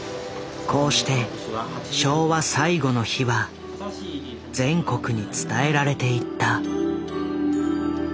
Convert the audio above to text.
こうして昭和最後の日は全国に伝えられていった。